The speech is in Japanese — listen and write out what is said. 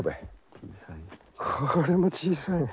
これも小さい。